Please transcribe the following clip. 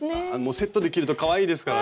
セットで着るとかわいいですからね。